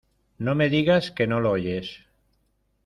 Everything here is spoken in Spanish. no me digas que no lo oyes.